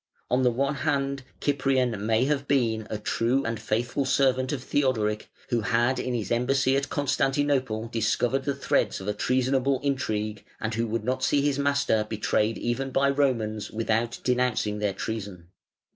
On the one hand Cyprian may have been a true and faithful servant of Theodoric, who had in his embassy at Constantinople discovered the threads of a treasonable intrigue, and who would not see his master betrayed even by Romans without denouncing their treason.